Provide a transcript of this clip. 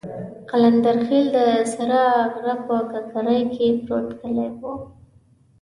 قلندرخېل د سره غره په ککرۍ کې پروت کلی وو.